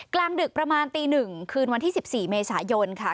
กลางดึกประมาณตี๑คืนวันที่๑๔เมษายนค่ะ